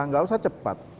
nggak usah cepat